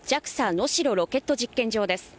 能代ロケット実験場です。